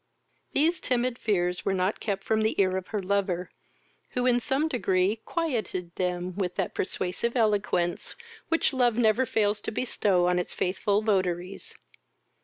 These timid fears were not kept from the ear of her lover, who, in some degree, quieted them with that persuasive eloquence which love never fails to bestow on its faithful votaries.